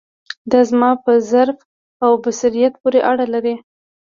دا زما په ظرف او بصیرت پورې اړه لري.